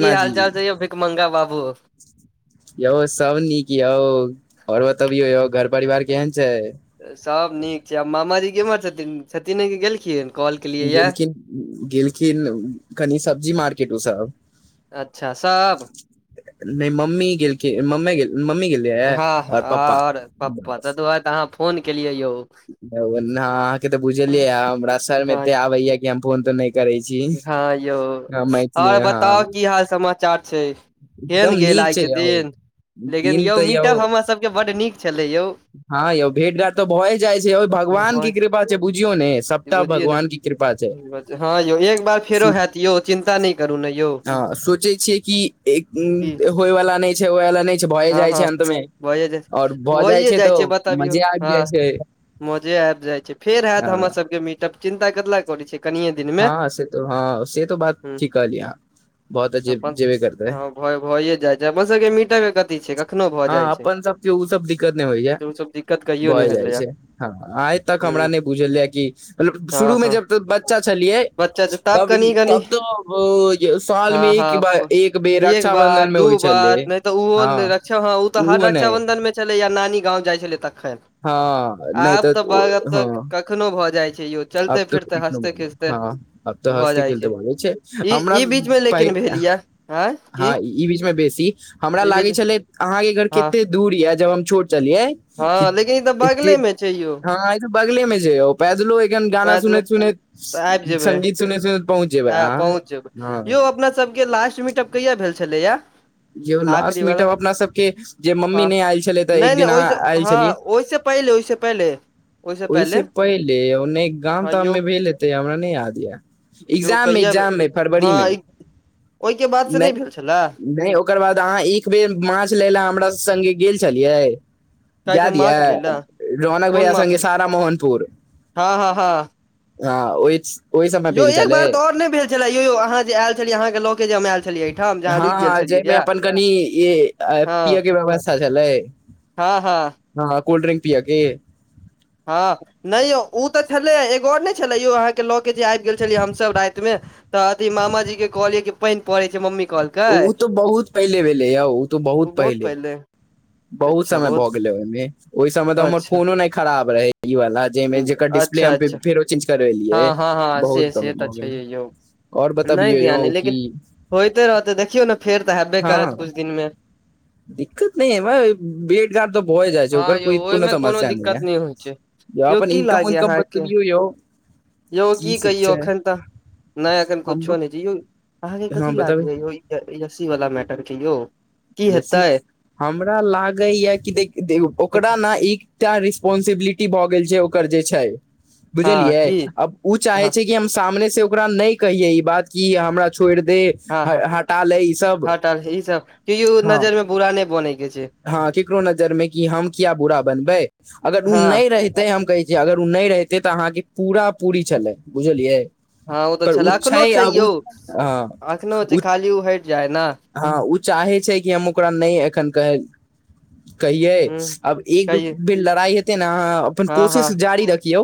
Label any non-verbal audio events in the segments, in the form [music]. की जी हाल चाल छैय यौ भीखमंगा बाबू यौ सब नीक यौ और बताबियौ यौ घर परिवार केहन छैय सभ नीक छैय आब मामाजी केम्हर छथिन्ह छथिन्हे कि गेलखिन कॉल केलियै ये गेलखिन गेलखिन कनि सब्जी मार्केट ओ सब अच्छ सब नै मम्मी गेलकी ममै गेल मम्मी गेल हँ और पप्पा तै दुआरे तऽ अहाँ फोन केलियै यौ अहाँ केँ तऽ बुझले ये हमरा शर्म हँ एते आबैये कि हम फोन तोन नै हँ यौ और मे बताउ हँ की हाल समाचार छैय केहेन एकदम गेल नीक आइ छै केँ यौ दिन [inaudible] लेकिन दिन यौ तऽ मिटब हमरा सब केँ बड्ड नीक छलै यौ हँ यौ भेंट आर तऽ भए जाइ छैय ओइ भगवान केँ कृपा छैय बुझियौ ने सबटा भगवान केँ कृपा छैय हाँ यौ फेरो हैत यौ चिन्ता नै करू ने यौ हँ [inaudible] होयवला नै छैय होयवला नै छैय भए हँ जाय हँ छैय अन्त में और भऽ जाय छैय से बतबियौ ह [inaudible] मजे आबि जाय छैय फेर हैत हमरा सब केँ मि तब चिन्ता कथिले करै छी कनिके हँ हँ से त हँ से त बात ठीक कहलियै अहाँ बहुत अजीब अपन जेबे करतै हँ यौ भऽए जाय छैय अपन सबके मीटर मे कथी छैय हँ अपन सबके ओ सब दिक्कत नहि होय छै ओ सब दिक्कत कहियो नहि भऽए जाय भेलैया छैय हँ आइ तक हमरा हूं नहि बुझेल ये कि हँ शुरू मे हँ जब बच्चा छलियै बच्चा छै तब कनि कनि तब त ओय साल मे हँ हँ एक ही बार एक बेर एक रक्षााबंधन बार मे दू होय बार छलैय नहि तऽ ओ रक्षा हँ ओ तऽ हर रक्षाबंधन मे छलैये नानी गाँव जाय छलैय तखैन हँ नहि आब तऽ बाजब तऽ कखनो भऽ जाय छै यौ आब चलते तऽ फिरते की कहू हँसते खिसते हँ आब तऽ भऽ हसिते जाइ खेलते छै भऽ जाय छैय ई हमरा ई बीच मे पाइ लेकिन भेल या आँय की हँ ई बीच मे बेसी हमरा ई बीच लागै छल अहाँके घर हँ कतेक दूर य जब हम छोट छलियै कि हँ लेकिन ई तऽ एते बगलेमे छै यौ हँ इ त बगले मे छै यौ पैदलो एखन गाना पैदल सुनैत सुनैत संगीत सुनैत सुनैत पहुँच जेबै हँ अहाँ पहुँच जेबै हँ यौ अपना सभके लास्ट मीटप कहिया भेल छलैया यौ लास्ट आखिरी वाला मीटप अपना सबके जे हँ मम्मी नहि आयल छलै तऽ नहि एक नहि दिन ओहिस अहाँ आयल हँ छलियै ओहिसँ पहिले ओहि से पहिले ओहिसँ ओहि पहिले से पहिले नहि गाम हँ ताम यौ मे भेल हेतै हमरा नहि याद यै यौ इग्जाम कहिया भे- इग्जाम मे फरवरी मे हँ ई- ओहिके बाद से नहि भेल छलए नहि यौ ओकर बाद अहाँ एक बेर माछ लै ले हमरा सब सङ्गे गेल छलियै काल्हिठाम याद माछ यऽ लै लए रोहना कोन भैया माछ संगे सारा मोहनपुर हँ हँ हँ हँ ओहि से यौ एक बार तऽ और नहि भेल छले यौ अहाँ जे आयल छलियै अहाँ के ल के जे हम आयल छलियै एहिठाम जे अहाँ हँ रुकि गेल हँ छलियै जहिमे यए अपन कनि ई हँ पियै के व्यवस्था छलै हँ हँ हं कोल्डड्रिंक पियऽ के हँ नहि यौ ओ तऽ छलैये एगो आओर नहि छलै यौ अहाँके लऽ केऽ जे आबि गेल छलियै हमसभ राति मे तऽ अथी मामाजी के कहलियै कि पानि पड़ै छैय मम्मी कहलकै उ तो बहुत पहिले भेले यौ ओ तऽ बहुत पहिले बहुत समय भऽ गेलै ओहिमे ओहि समय तऽ हमर अच्छा फोनो नहि खराब रहै ई वाला जाहिमे जेकर डिस्प्ले अच्छा हम अच्छा फेरो चेंज करवेलियै हँ हँ हँ से बहुत से तऽ भऽ गेलै छैहे यौ और नहि बतबिये यौ ध्यान अइ लेकिन की होइते रहतै देखियौ ने फेर तऽ हेबे हँ करत किछु दिन मे दिक्कत नहि है भेटघाट तऽ भऽ जाइ छै हँ ओकर यौ कोइ कोनो ओहिमे समस्या न दिक्कत य नहि होइ छै य यौ अपन की इन्नकम लागैया उन्नकम अहाँके बतबयौ यौ यौ की सब छै कहियौ एखन तऽ नय अखन कुछो हमरो नहि छै यौ अहाँके हँ कथि लाज बताबै होय प्राइवेसी वाला मैटर के यौ की यसी हेतै हमरा लागै या कि देख देखियौ ओकरा देखिए, ने ई टा रिस्पोंसिबिलिटी भऽ गेल छै ओकर जे छै हँ बुझलियै की अब उ चाहे हँ छै कि हम सामने से ओकरा नहि कहियै ई बात कि हमरा छोड़ि दे हटा ले ई सब तब ईह सब केयो हँ नजर मे बुरा नहि बनै नै के छै हँ केकरो नजर मे कि हम किया बुरा बनबै अगर उ हँ नहि रहितै हम कहे जे अगर ओ नहि रहिते तऽ अहाँके पूरा पूरी छलै बुझलियै हँ ओ तऽ पर छल एखनो छै आब यौ ओ हँ एखनो छै खाली ओ हटि जाय ने हँ ओ चाहै छै कि हम ओकरा नहि एखन कह कहियै ह आब इ दू कहिय फिर लड़ाइ हे तेना अहाँ अपन हँ हँ कोशिश जारी रखियौ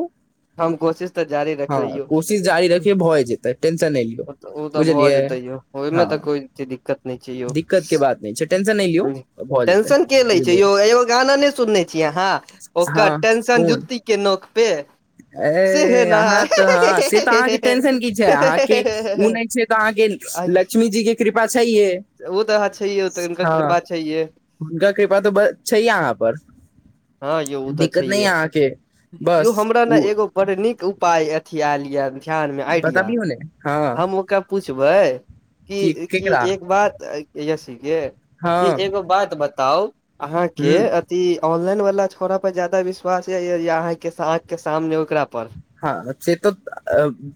हम कोशिश तऽ जारी हँ रखबै यौ कोशिश जारी रखियो भऽ जेतै टेंशन नहि लियौ ओ तऽ ओ तऽ भऽ बुझलियै जेतै यौ ओहिमे हँ तऽ कोइ दिक्कत नहि छै यौ दिक्कत के नहि छै टेशन नहि लिय टेंशन के लै छै यौ एगो गाना नहि सुनने छीयै अहाँ हँ ओकर टेंशन कोन जुती के नोक पे सेहे ए अहाँ तऽ हऽ से तऽ अहाँके टेंशन की छै अहाँके ओ नहि छै तऽ अहाँके न लक्ष्मी जी कऽ कृपा छैे ओ तऽ अहाँ छैहे ओ तऽ हुनकर हँ कृपा छैहे हुनकर कृपा तऽ बस छैहे आहाँ पर हँ यौ ओ तऽ दिक्कत नहि छैहे यऽ आहके बस ओ बड नीक उपाय हे ख्याल यऽ ध्यान मे आइडिया बताबियौ ने हँ हम ओकर पूछबै कि की की केकरा जे एक बात यसी कऽ कि हँ एगो बात बताउ ह अहाँके ई ऑनलाइन वाला छोड़ा पर ज्यदा विश्वास य य य अहाँ के आख के सामने ओकरा पर हँ से तऽ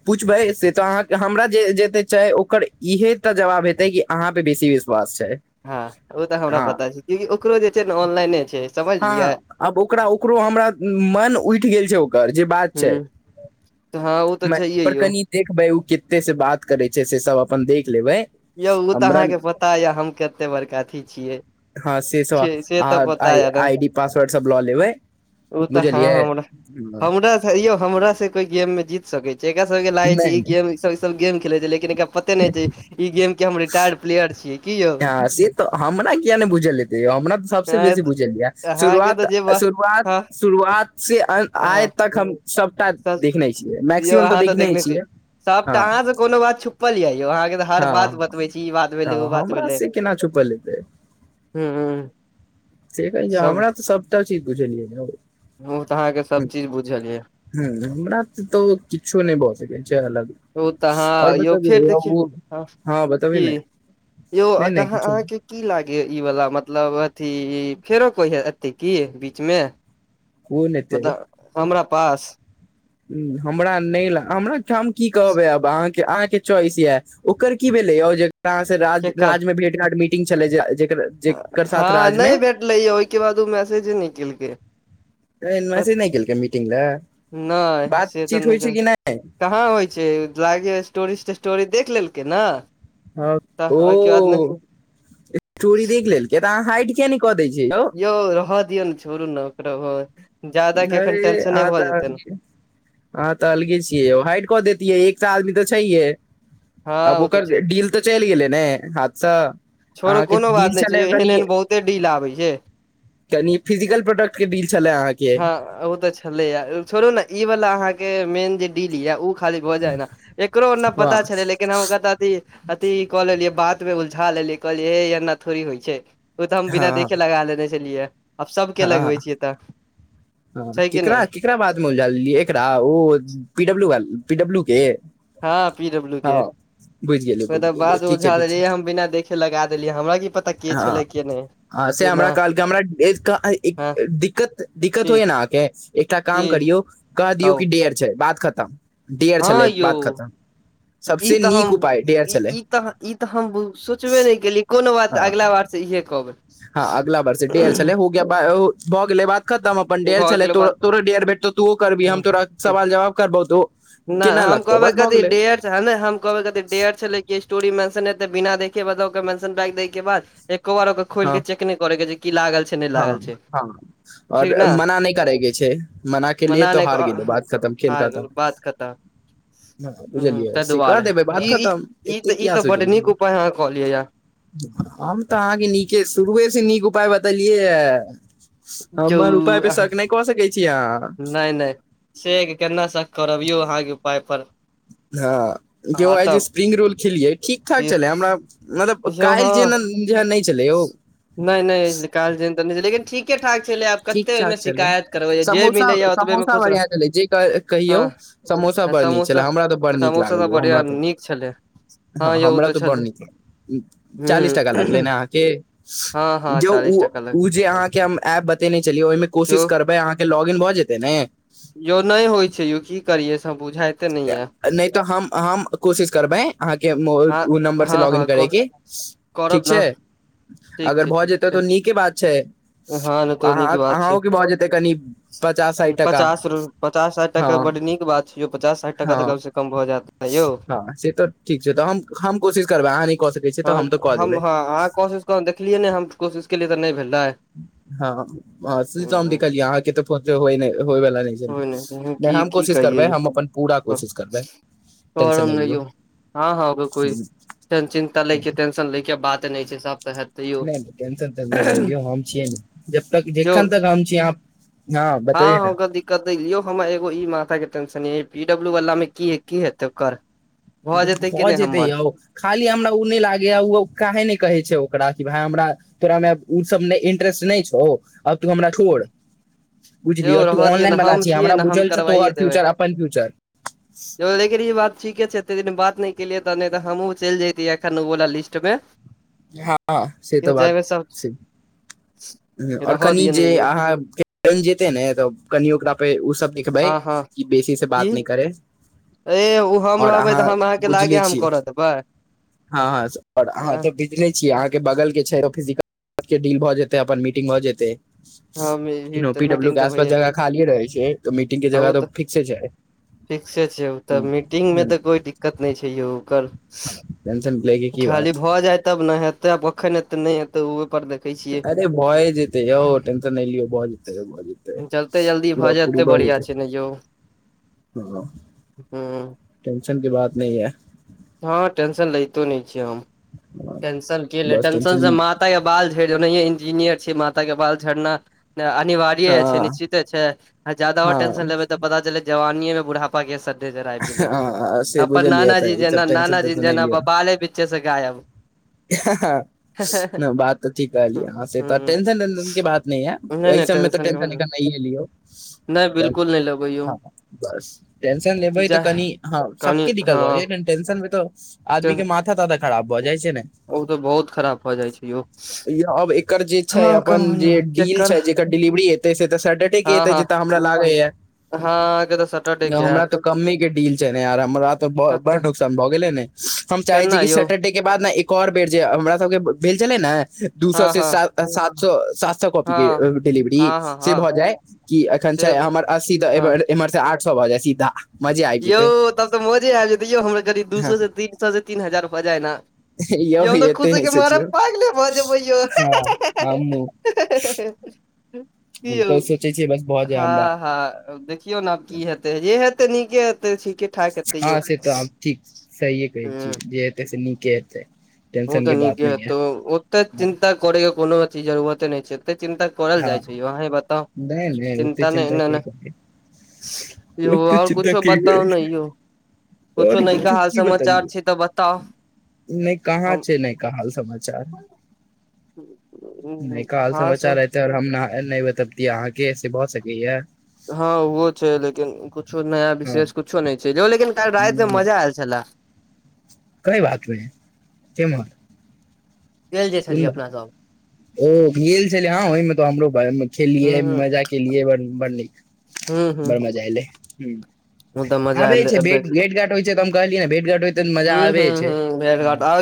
पूछबै से तऽ अहाँके हमरा जे जेेते छै ओकर इएहे तऽ जवाब हेतै कि अहाँ पे बेसी विश्वास छै हँ ओ तऽ हमरा हँ पता छै कियकि ओकरो जे छै ने ऑनलाइने छै समझलियै हँ आब ओकरा ओकरो हमरा मन उठि गेल छै ओकर जे बात छै हूँ हँ ओ तऽ छैहे पर यौ कनि देखबै ओ कते से बात करे छै से सब अपन देख लेबै यौ ओ तऽ हमरा अहाँके पता यऽ हम कते बड़का अथी छियै हँ से सब छै से तऽ आहा पता य ने आई डी पासवर्ड सब लऽ लेबै ओ तऽ हँ बुझलिए हमरा हमरा यौ हमरा से कोई गेम मे जीत सकैत छै एकरा सब कऽ लागे छै नहि ई नहि गेम सब ई सब गेम खेले छै लेकिन एकरा पते नहि छै ई गेम कऽ हम रिटार्ड प्लेयर छियै कि यौ ह से तऽ हमरा किया नहि बूझल हेते यो हमरा तऽ सब सऽ बेसी बुझल या अहाँके शुरुआत तऽ जे बात शुरुआत हँ शुरुआत सऽ आइ हँ तक हम सब सबटा देखने छियै यौ मैक्सिमम तऽ अहाँ देखने छी छियै हँ सभटा अहाँ से कोनो बात छुपल यऽ यौ अहाँके तऽ हर बात हँ बतबै छी ई बात तऽ भेलै ओ बात हमरा भेलै से केना छुपल हेतै हू से कहिया हमरा तऽ सभटा चीज बुझलय यो हू तऽ अहाँ के सब चीज बुझल यऽ हू हमरा सऽ तऽ किछु नहि नै भऽ सकै छै अलग ओ तऽ आओर आहाँ यौ फेर बतबियौ दिखि ओ हऽ हँ बतबी कि ने यौ आइ नहि तऽ नहि अहाँ किछो नहि अहाँके की लागे ई वाला मतलब अथी फेरो कोई ह एते की बीच मे ओ नहि ते मतलब हमरा पास हमरा नै ला हमरा हम की कहबै आब अहाँके अहाँके च्वाइस यऽ ओकर की भेलै यो जकरा अहाँ सऽ राज केकर राजमे भेट घाट मीटिंग छलै जे जेक हँ नहि भेटले यौ ओहिके बाद ओ मैसेजे नै केलकै ऐह पत मैसेज नै केलकै मीटिंग लऽ नहि से तऽ बातचीत नहि होइ छै केल कि नै कहाँ होइ छै लागैये स्टोरी तेस्टोरी देख लेलकै नऽ हँ ओ स्टोरी देख लेलकै तऽ अहाँ हाइट किये नै कऽ दै छियै यो यौ रहदियौ नऽ छोड़ु नऽ ओकरो ज्यदा कऽ एखन टेंशने भऽ जेतै नऽ हँ तऽ अलगे छियै यौ हाइट कऽ देैतियै एकसै आदमी तऽ छैहे हँ आब ओ तऽ ओकर छै डील तऽ चैल गेलइ ने हाथ सऽ छोरू कोनो बात नै छै एहन एहन बहुते डील आबै छै तहन इ फिजिकल प्रोडक्ट के डील छलै अहाँके हँ ओ तऽ छलैया छोड़ू ने ई वाला अहाँके मेन जे डील यऽ उ खाली भऽ जाइ ने एकरो नहि पता वाह छलै लेकिन हम इ अथी क लेलियै बात मे उलझा लेलियै कहलियै हे एना थोड़ी होइ छै ओ तऽ हम बिना हँ देखे लगा लेने छलियै आब हँ सबके लगबै हँ छियै तऽ हँ छै कि केकरा नहि केकरा बाद मे उलझा लेलियै एकरा ओ पीडब्लू वाल पी डबलू के हँ बुझि गेलियै ऐ बुझि तऽ गेलियै बाद मे ठीक छै बुझा ठीक छै देलियै हम बिना देखे लगा देलियै हमरा की पता के हँ छले के नै हँ से हमरा कहलकै हमरा एक हँ दिक्कत दिक्कत त की होइय ने अहाँके एकटा की काम करियौ कह दियौ कहू कि डेयर छै बात खतम डियर छलै हँ बात यौ खतम ई सबसे तऽ हम नीक उपाय डेयर छलै ई तऽ ई तऽ हम सोचबे नहि केलियै कोनो बात हँ अगिला बार से इहे कहबै हँ अगलाा बार से डेयर छलै हो गया भऽ गेलै बात खतम अपन डेयर भऽ छलै गेलो त बात तोरो डेयर भेटतौ तू करबही हम तोरा सवाल जवाब करबौ तो नहि केना हम लागतौ कहबै बस भऽ कथी गेलै डेयर हम कहबै क डेयर छलै स्टोरी मेंशन ए बिना देखे मतब के मेंशन बैग देय के बाद एको बार ओके खोइल के चेक नै करै के जे की लागल छै नहि हँ लागल छै हँ और ठीक ने मना नहि करैके छै मना केलिऐ तो हार गेलीयै बात खतम खेल खतम हँ बात खतम हँ ह बुझलियै ताहि से कह दुआरे देबै बात ई खतम ई एते तऽ ई किया तऽ बड सटै नीक छियै उपाय अहाँ कहलियै य हम त अहाँके नीके शुरुए से नीक उपाय बतेलियै या हमर उपाय बेसक नै क सकै छी अहाँ। नै नै सेग केना से करब यौ अहाँके पाय पर। हँ केओ हँ आइ जे तब स्प्रिंग रोल खेलियै ठीक ठाक छलै हमरा मतलब यौ काइल्ह हँ जेनन। या नहि छलै यौ। नहि नहि काल जन त नहि लेकिन ठीक। ठीक ठाक छलै करबै जे समोसा मिलैया ओतबे मे समोसा खुश रह बढ़िआँ छलै जे क कहियौ। हँ समोसा बड़ नीक छलै समोसा हमरा तऽ बड़ नीक समोसा लागल सब ओ बढ़िया हमरा तऽ नीक छलै हँ यौ ओ हमरा तऽ बड़ छलै नीक ह चालीस टका लगलै न के हँ हँ जे चालीस उ टका लग उ जे अहाँके हम एप देखने छलियै ओहिमे यौ कोशिश करबै अहाँके लौगिन भऽ जेतै ने यौ नहि होइ छै यौ की करियै से बुझाइते नै यै नै तऽ हम हम कोशिश करबै अहाँके हँ ओइ नम्बर से हँ लॉगिन हँ करैके ठीक करब त छै अगर भऽ जेतै तऽ नीके बात छै हँ नहि तो अहाँ नीक बात छै अंहौके भ जेतै कनि पचास साठि टका। पचास पचास साठि टाका हँ बड नीक बात छै यौ पचास साठ टाका तक हँ कम से कम भ जायत न यौ। हँ से त। ठीक छै त हम हम कोशिश करबै अहाँ नै क स हँ हम हँ अहाँ कोशिश कके देखलियै ने हम कोशिश केलियै त नहि भेलै हँ हम [unintelligible] ह अहाँके तऽ फ होय बला नहि हो नहि छै की हम की कोशिश कहियै करबै हम अपन पूरा कोशिश करबै। टेंशन नहि लियौ [unintelligible] टेंशन ले के बात नहि छै सब सहत। नहि टेंशन तेशन नहि लियौ हम छियै नु जब तक यौ जखन तक हम छी। हँ बतैयौ ने होगा दी। क देलीयौ हमर एगो ई माथा कऽ टेंशन य पी डब्ल्यू वला मे की है की है तो कर। भऽ जेतय आओ। खाली हमरा उ ने लागैए ओ काहे नहि कहै छै ओकरा कि भाय हमरा। तोरा मऽ अब उ सबमे इंट्रेस्ट नहि छौ आब तू हमरा छोड़। यौ बुझलियै और तू रहऽ दियौ ने ऑनलाइन बना हम छऽ छियै हमरा ने हम बुझल छौ करवाइए तोर फ्यूचर अपन फ्यूचर। यी लेकिन ई बात ठिके छै एते दिन बात नहि केलियै तऽ नहि त हमहुँ चलि जैतियै एखनु वाला लिस्ट मे। हँ से त बात जेमे सब छै और रहऽ कनि दियौ ने जे यौ अहाँ के। जन जेते नऽ तऽ कनि ओकरा पे ओ सब देखबै हँ हँ कि बेसी से की बात ने करे। ए ओ हम और रहबै तऽ अहाँ हम अहाँके लागे बुझले हम छी करऽ देबै हँ, हँ और अहाँ। तऽ बुझले छियै अहाँ के बगल के छै फिजिकल के डील भ जेते अपन मीटिंग भ जेते। हँ किनहु पी डब् लू मीटिंग के तऽ आसपास भैये जगह खाली रहे छै त मीटिंग के जगह त फिक्से छै। फ़िक्से छै ओ तऽ हम्म, मीटिंग में हम्म, त कोई दिक्कत नहि छै यौ कर। Tension play. खाली भऽ जाय तब ने हेते आब ओखन एते नहि हेते ओहे पर देख। अरे भए जेतै यौ टेंशन नहि लियौ भए जेतै भए जेतै पूरा पू भए जेतै। चनै यौ। ह हूँ टेंशन की बात नहीं ये हँ टेंशन लैतो नहि छी हम टेंशन के ली टेंशन से मा। ता बाल झेड़ ने यऽ इंजीनियर छै माता के बाल झड़ना। अनिवार्य हँ अछै निश्चिते अछै जादाा हँ टेंशन लेबे त पता चले जवानीे मे बुढ़ापा। पा के सधे आबि गेले हँ से बुझलियै नाना जी तऽ ई सब जेना टेंशन नाना जी तेंशन नहि जेना लियौ प। बाले बीचे छे से गायब। नहि बात त ठीक कहलिय हंसे तो हूँ टंशन वेसन के बात। नहीं है नहि एहि नहि सबमे तऽ टेंशन के नहीं ले लियो। नहि क बिल्कुल नहि लेबै यौ ह बस टेंशन लेबै तऽ जाह कनि हँ कनि सबके दिक्कत हँ बा। टेंशन मे तऽ आदमी के माथा-तादा खराब भऽ जाय छैय ने। औ तऽ बहुत खराब भऽ जाइ छि यौ इ आब एकर जे छै हँ अपन कहू ने जे डील केकर छै हँ जेकर डिलिवरी हेतै से तऽ सटरडे े के हेतै जै तऽ हमरा लागैए हाँ एकरा सब हमरा तऽ कम्में के डील छै ने यार हमरा त कते बड़ढ। भ गेलै ने हम चाहे छी केना कि यौ सेैटरडे के बाद ने एक आर बेर जे हमरा सबके भेल छलै ने। दू हँ स से हँ सात सऽ सात। त कॉपी के हँ डिलिवरी हँ हँ से हँ भ जाय कि एखन से छै हमर अस्सी हँ द। एमर सऽ आठ सौ भ जाै सीधा। यौ जेतै तब त मौजे आजी जयतै यौ हमरा गरीब दू सए हँ से तीन सए से तीन हजार भ जाय ने। यौ हम तऽ एते नहि खुशीके मारे सोचियौ पागले भऽ जेवय यौ। हँ हमहूँ कियौ हम तऽ सोचै छियै बस भऽ जाय हमरा हाँ हाँ देखियौ नऽ की हेतै जे हेतै नीके हेतै ठीके -ठाक हेतै हँ यौ से तऽ हम ठीक सहिए कहै हूँ छियै जे हेतै से नीके हेतै ओ टेंशन तऽ के बात नीके नहि हेतौ ओते य चिन्ता करय कोनो अथी जरूरते नै छै एते चिन्ता फोड़ल हँ जाइ छै यौ, अंही बताउ नहि नहि ओते चिन्ता नय नेै के नै करै यौ ओते आउर चिन्ता कुछो के करै बताउ न यौ आओर कुछो नयखा किछु हाल समाचार छै तऽ बताउ नै कहाँ हम छै नयका हाल समाचार। नयका हाल आहाॅं समाचार रहतै आओर हम न नैय बतैबतीय अहाँके से भऽ सकैया। हाँ ओहो छै लेकिन कुछो नया हँ विशेष कुछो नै छै जाउ लेकिन कालि राति में मजा आयल छेला। कोई बात नय जे मन गेल जे कोन छलियै बा् अपना सब ओ [unintelligible] छलै हम ओहिमे तऽ हमरो ह खेलियै मजा केलियै ब बड़ नीक ह ह बड़ मजा एलै। ह तऽ मजा आवय एल छै भेट भेट-घाट होइ छै, तऽ हम कहलिय भेट-घाट होइ त मजा हूँ हूँ आवय छै। हूँ भेट घाट ह आओर